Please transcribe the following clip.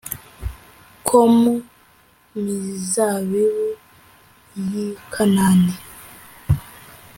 ko mu mizabibu y' i kanani